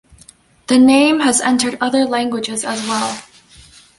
The name has entered other languages as well.